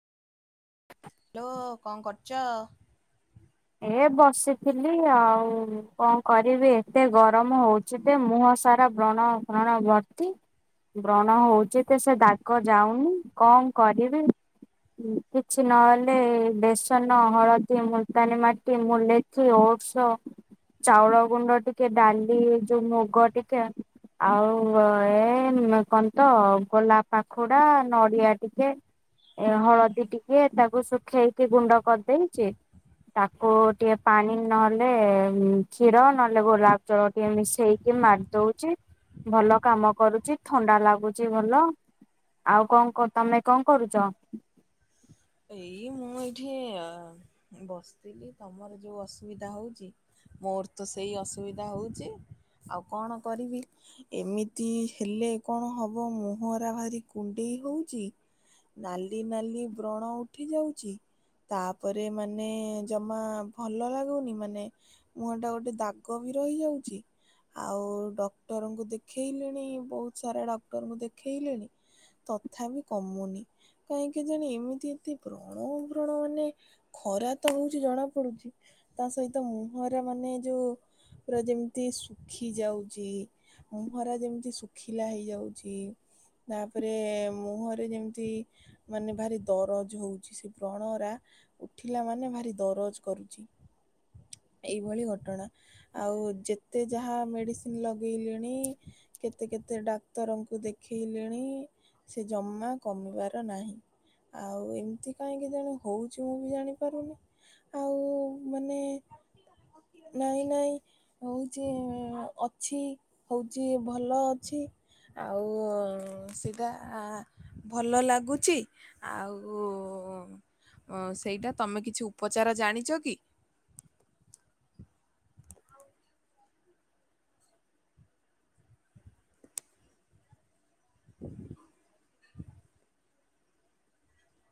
Hello କଣ କରଛ। ଏ ବସିଥିଲି ଆଉ କଣ କରିବି ଏତେ ଗରମ ହଉଛି ଯେ ମୁହଁ ସାରା ବ୍ରଣ ବ୍ରଣ ବର୍ତ୍ତି ବ୍ରଣ ହଉଛି ତ ସେ ଦାଗ ଯାଉନି କଣ କରିବି କିଛି ନହେଲେ ବେସନ ହଳଦୀ ନ ମାଟି ମଲେଚି ଓଟସ ଚାଉଳ ଗୁଣ୍ଡ ଟିକେ ଡାଲି ଯୋଉ ମୁଗ ଟିକେ ଆଉ ଏ କହ ତ ଗୋଲାପ ପାଖୁଡା ନଡିଆ ଟିକେ ଏ ହଳଦୀ ଟିକେ ତାକୁ ଶୁଖେଇକି ଗୁଣ୍ଡ କରିଦେଇଛି। ତାକୁ ଟିକେ ପାଣି ନହେଲେ କ୍ଷୀର ନହେଲେ ଗୋଲାପ ଜଳ ଟିକେ ମିଶେଇକି ମାରିଦଉଛି ଭଲ କାମ କରୁଛି ଥଣ୍ଡା ଲାଗୁଛି ଭଲ ଆଉ କଣ ତମେ କଣ କରୁଛ। ଏଇ ମୁଁ ଏଇଠି ବସିଥିଲି ତମର ଯୋଉ ଅସୁବିଧା ହଉଛି ମୋର ତ ସେଇ ଅସୁବିଧା ହଉଛି ଆଉ କଣ କରିବି ଏମିତି ହେଲେ କଣ ହବ ମୁହଁରେ ଭାରି କୁଣ୍ଡେଇ ହଉଛି ନାଲି ନାଲି ବ୍ରଣ ଉଠି ଯାଉଛି ତାପରେ ମାନେ ଜମା ଭଲ ଲାଗୁନି ମାନେ ମୁହଁ ଟା ଗୋଟେ ଦାଗ ବି ରହିଯାଉଛି ଆଉ ଡକ୍ଟରଙ୍କୁ ଦେଖେଇଲେଣି ବହୁତ ସାରା ଡକ୍ଟରଙ୍କୁ ଦେଖେଇଲେଣି ତଥାପି କମୁନି କାହିଁକି ଜାଣ ଏମତି ଏତେ ବ୍ରଣ ବ୍ରଣ ମାନେ ଖରା ତ ହଉଛି ଜଣା ପଡୁଛି ତା ସହିତ ମୁହଁରା ମାନେ ଯୋଉ ପା ଯେମିତି ଶୁଖି ଯାଉଛି ମୁହଁରା ଯେମିତି ଶୁଖିଲା ହେଇଯାଉଛି ତାପରେ ମୁହଁରେ ଯେମିତି ମାନେ ଭାରି ଦରଜ ହଉଛି ସେ ବଣରା ଉଠିଲା ମାନେ ଭାରି ଦରଜ କରୁଛି ଏଇଭଳି ଘଟଣା ଆଉ ଯେତେ ଯାହା ମେଡିସିନ ଲଗେଇଲିଣି କେତେ କେତେ ଡାକ୍ତରଙ୍କୁ ଦେଖେଇଲେଣି ସେ ଜମା କମିବାର ନାହିଁ। ଆଉ ଏମିତି କାହିଁକି ଜଣେ ହଉଛି ମୁଁ ବି ଜାଣିପାରୁନି ଆଉ ମାନେ ନାଇଁ ନାଇଁ ହଉଛି ଅଛି ହଉଛି ଭଲ ଅଛି ଆଉ ସେଟା ଭଲ ଲାଗୁଛି। ଆଉ ସେଇଟା ତୁମେ କିଛି ଉପଚାର ଜାଣିଛ କି? [inaudible]